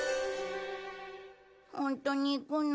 ホントに行くの？